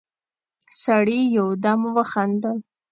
سړي يودم وخندل: